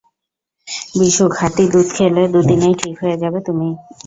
বিশু, খাঁটি দুধ খেলে দুদিনেই ঠিক হয়ে যাবে তুমি।